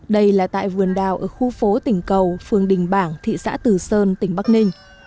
đây là tại vườn đào ở khu phố tỉnh cầu phương đình bảng thị xã từ sơn tỉnh bắc ninh